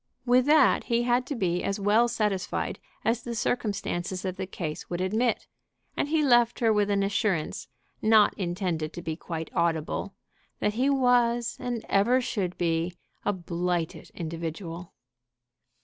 With that he had to be as well satisfied as the circumstances of the case would admit, and he left her with an assurance, not intended to be quite audible, that he was and ever should be a blighted individual.